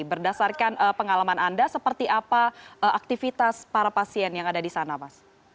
berdasarkan pengalaman anda seperti apa aktivitas para pasien yang ada di sana mas